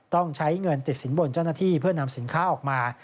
ต้องใช้เงินติดสินบนเจ้าหน้าที่เพื่อนำสินค้าออกมา